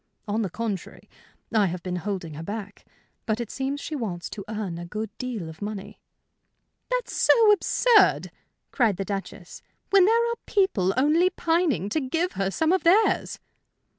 "On the contrary, I have been holding her back. But it seems she wants to earn a good deal of money." "That's so absurd," cried the Duchess, "when there are people only pining to give her some of theirs."